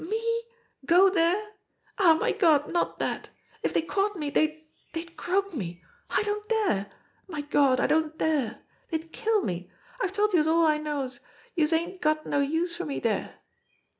"Me go dere! Aw, my Gawd, not dat! If dey caught me dey'd dey'd croak me. I don't dare! My Gawd, I don't dare! Dey'd kill me. I've told youse all I knows. Youse ain't got no use for me dere."